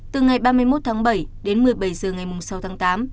từ ngày ba mươi một tháng bảy đến một mươi bảy h ngày sáu tháng tám